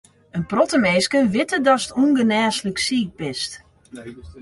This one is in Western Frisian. In protte minsken witte datst ûngenêslik siik bist.